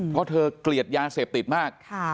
เพราะเธอเกลียดยาเสพติดมาก